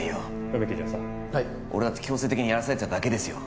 梅木巡査俺だって強制的にやらされただけですよ